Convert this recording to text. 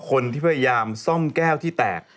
คนที่พยายามซ่อมแก้วที่แตก